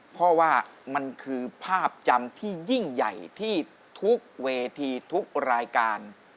เพราะว่ามันคือภาพจำที่ยิ่งใหญ่ที่ทุกเวทีทุกรายการ